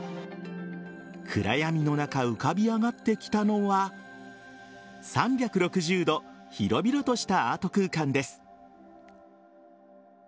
暗闇の中浮かび上がってきたのは３６０度広々としたアート空間です。